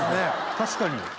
確かに。